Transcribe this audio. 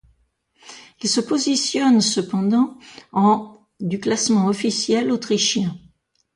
Il se positionne, cependant, en du classement officiel autrichien.